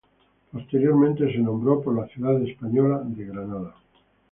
Posteriormente se nombró por la ciudad española de Granada.